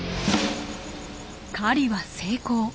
狩りは成功。